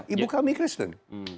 ibu kami kristen